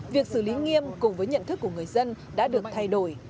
việc xử lý nghiêm cùng với nhận thức của người dân đã được thay đổi